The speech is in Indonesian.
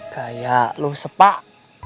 kayak lo sepak